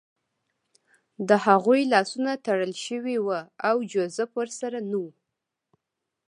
د هغوی لاسونه تړل شوي وو او جوزف ورسره نه و